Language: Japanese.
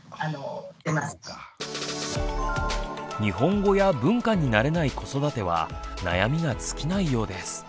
日本語や文化に慣れない子育ては悩みが尽きないようです。